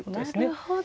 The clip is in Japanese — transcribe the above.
なるほど。